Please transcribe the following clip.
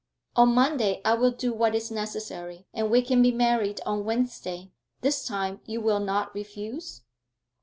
On Monday I will do what is necessary, and we can be married on Wednesday. This time you will not refuse?'